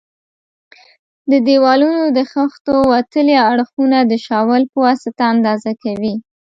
د دېوالونو د خښتو وتلي اړخونه د شاول په واسطه اندازه کوي.